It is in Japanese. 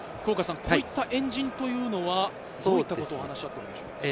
こういったエンジンというのは、どういったことを話し合っているんでしょう？